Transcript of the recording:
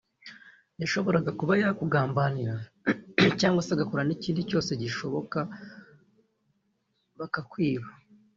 yashoboraga kuba yakugambanira cyangwa se agakora n’ikindi cyose gishoboka bakakwiba